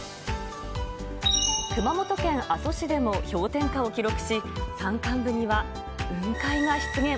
熊本県阿蘇市でも氷点下を記録し、山間部には雲海が出現。